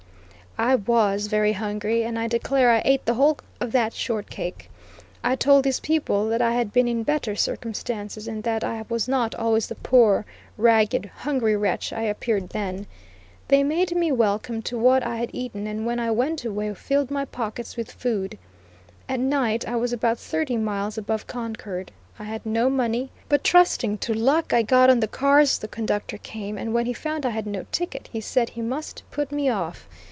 I was very hungry, and I declare I ate the whole of that short cake. I told these people that I had been in better circumstances, and that I was not always the poor, ragged, hungry wretch I appeared then. They made we welcome to what I had eaten and when I went away filled my pockets with food. At night I was about thirty miles above Concord. I had no money, but trusting to luck, I got on the cars the conductor came, and when he found I had no ticket, he said he must put me off.